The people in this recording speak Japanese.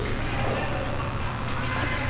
ええとあっそうだ「ピカピカブ！」